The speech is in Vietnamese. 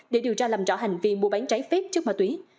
để điều tra làm rõ hành vi mua bán trái phép chất ma túy